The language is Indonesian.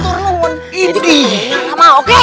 jadi kileksernya sama oke